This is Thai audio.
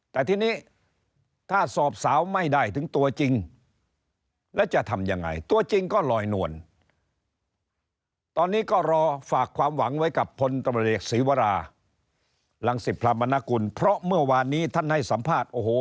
แต่ทีนี้ถ้าสอบสาวไม่ได้ถึงตัวจริงแล้วจะทำยังไงตัวจริงก็ลอยนวลตอนนี้ก็รอฝากความหวังไว้กับพลตำรวจเอกศีวรารังศิพรามนกุลเพราะเมื่อวานนี้ท่านให้สัมภาษณ์โอ้โห